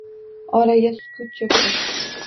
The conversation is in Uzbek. Oraga sukut choʼkdi.